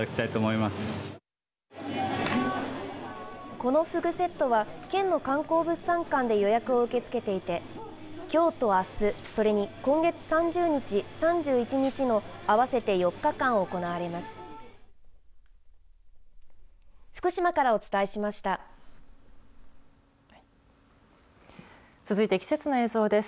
このフグセットは県の観光物産館で予約を受け付けていてきょうとあすそれに今月３０日、３１日の合わせて４日間行われます。